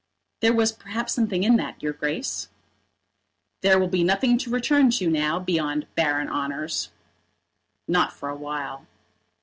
"There was perhaps something in that, your Grace." "There will be nothing to return to now beyond barren honours." "Not for a while."